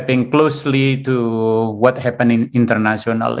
mencari tempat dekat dengan apa yang terjadi internasional